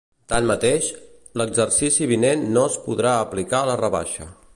Tanmateix, l’exercici vinent no es podrà aplicar la rebaixa.